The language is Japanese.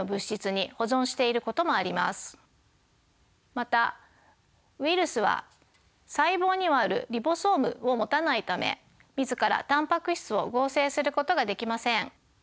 またウイルスは細胞にはあるリボソームを持たないため自らタンパク質を合成することができません。